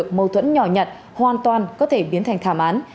một mâu thuẫn nhỏ nhặt hoàn toàn có thể biến thành thảm án